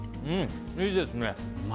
いいですね。